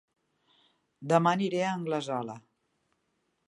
Dema aniré a Anglesola